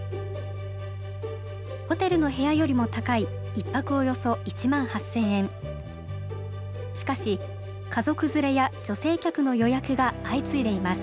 ホテルの部屋よりも高い１泊およそしかし家族連れや女性客の予約が相次いでいます。